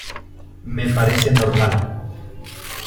me parece normal.